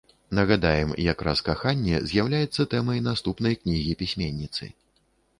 Нагадаем, якраз каханне з'яўляецца тэмай наступнай кнігі пісьменніцы.